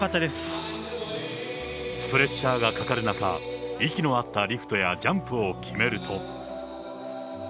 プレッシャーがかかる中、息の合ったリフトやジャンプを決めると。